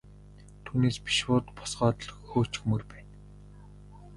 Түүнээс биш шууд босгоод л хөөчихмөөр байна.